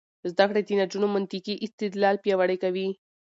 زده کړه د نجونو منطقي استدلال پیاوړی کوي.